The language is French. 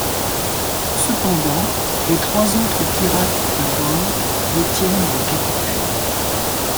Cependant, les trois autres pirates à bord détiennent le capitaine.